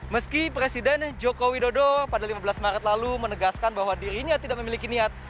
meski presiden joko widodo pada lima belas maret lalu menegaskan bahwa dirinya tidak memiliki niat